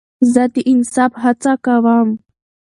زه د انصاف هڅه کوم.